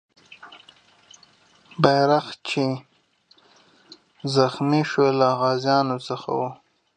بیرغچی چې زخمي سو، له غازیانو څخه و.